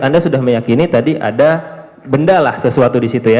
anda sudah meyakini tadi ada benda lah sesuatu di situ ya